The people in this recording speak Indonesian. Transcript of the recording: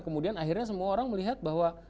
kemudian akhirnya semua orang melihat bahwa